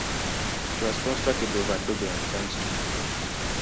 It was constructed of adobe and sandstone.